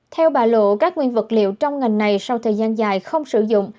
theo bà lộ các nguyên vật liệu trong ngành này sau thời gian dài không sử dụng